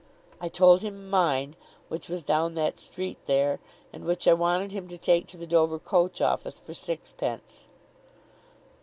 I told him mine, which was down that street there, and which I wanted him to take to the Dover coach office for sixpence.